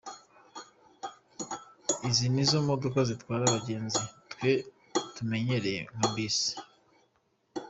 Izi nizo modoka zitwara abagenzi, twe tumenyereye nka Bus.